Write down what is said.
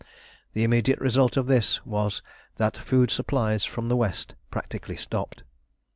The immediate result of this was that food supplies from the West practically stopped.